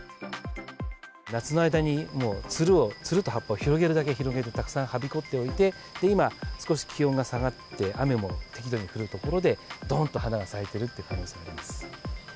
夏の間に、もうつるを、つると葉っぱを広げるだけ広げて、たくさんはびこっておいて、今、少し気温が下がって、雨も適度に降るところで、どーんと花が咲いてるという可能性があります。